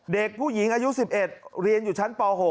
เด็กผู้หญิงอายุ๑๑เรียนอยู่ชั้นป๖